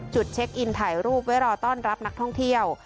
เช็คอินถ่ายรูปไว้รอต้อนรับนักท่องเที่ยว